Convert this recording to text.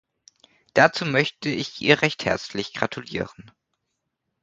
Dazu möchte ich ihr recht herzlich gratulieren.